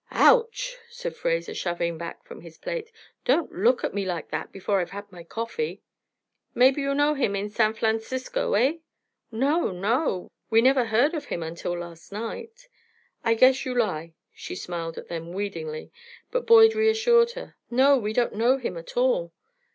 "Ouch!" said Fraser, shoving back from his plate. "Don't look at me like that before I've had my coffee." "Maybe you know him in San Flancisco, eh?" "No, no! We never heard of him until last night." "I guess you lie!" She smiled at them wheedlingly, but Boyd reassured her. "No! We don't know him at all."